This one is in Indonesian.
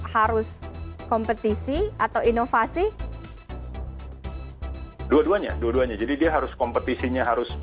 harus kompetisi atau inovasi dua duanya dua duanya jadi dia harus kompetisinya harus